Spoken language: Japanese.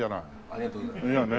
ありがとうございます。